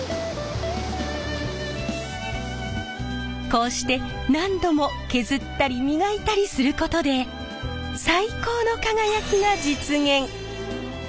こうして何度も削ったり磨いたりすることで最高の輝きが実現。